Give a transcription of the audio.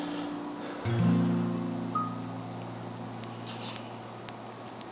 dan kita bisa berbual